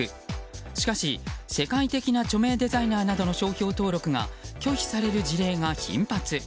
しかし、世界的な著名デザイナーなどの商標登録が拒否される事例が頻発。